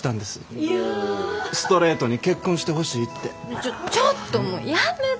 ちょちょっともうやめて！